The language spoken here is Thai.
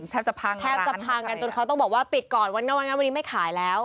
แทบจะพังกันจนเขาต้องบอกว่าปิดก่อนวันนี้ไม่ขายแล้ว